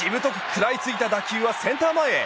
食らいついた打球はセンター前へ。